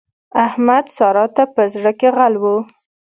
احمد؛ سارا ته په زړ کې غل وو.